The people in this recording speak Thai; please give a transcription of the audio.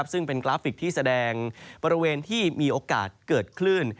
ซึ่งเป็นกราฟิกที่แสดงบริเวณที่มีโอกาสเกิดคลื่น